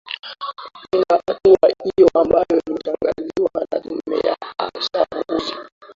kupinga hatua hiyo ambayo imetangazwa na tume ya uchaguzi